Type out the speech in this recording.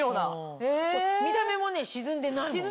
見た目も沈んでないもん。